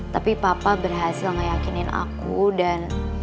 tapi papa berhasil meyakinin aku dan